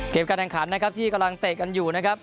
การแข่งขันนะครับที่กำลังเตะกันอยู่นะครับ